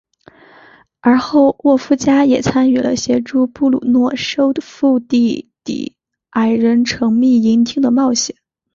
而后沃夫加也参与了协助布鲁诺收复地底矮人城秘银厅的冒险。